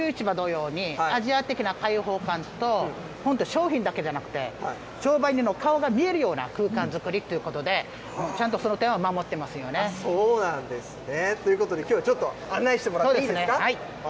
旧市場同様に、アジア的な開放感と商品だけじゃなくて、商売人の顔が見えるような空間作りということで、ちゃんとその点は守ってそうなんですね。ということで、きょうはちょっと案内してもらっていいですか。